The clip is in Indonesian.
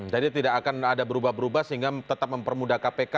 jadi tidak akan ada berubah berubah sehingga tetap mempermudah kpk